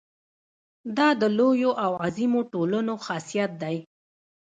دا د لویو او عظیمو ټولنو خاصیت دی.